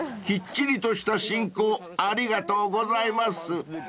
［きっちりとした進行ありがとうございます］